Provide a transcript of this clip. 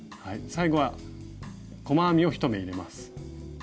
最後は細編みを１目入れます。